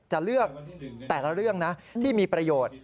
จะเลือกแต่ละเรื่องนะที่มีประโยชน์